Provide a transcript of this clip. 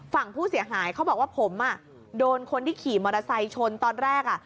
ฝั่งผู้เสียหายเขาบอกว่าผมโดนคนที่ขี่มอเตอร์ไซค์ชนตอนแรก